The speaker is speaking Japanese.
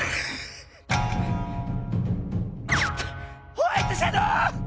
ホワイトシャドー！